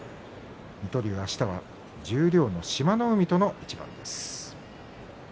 水戸龍は明日十両の志摩ノ海との一番です。